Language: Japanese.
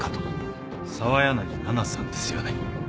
澤柳菜々さんですよね？